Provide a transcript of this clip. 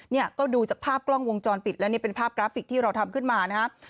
เนี่ยก็ดูจากภาพกล้องวงจรปิดและนี่เป็นภาพกราฟิกที่เราทำขึ้นมานะครับ